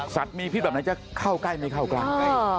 สัตว์มีพิษแบบนั้นจะเข้าใกล้ไม่เข้ากลาง